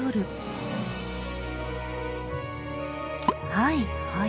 はいはい。